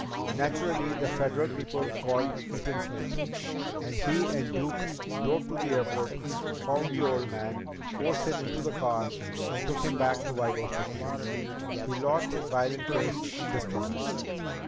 Naturally, the Federal people called Eaton Smith, and he and Duke drove to the airport, found the old man, forced him into the car and took him back to Ybor City. He lost his violin case in the struggle."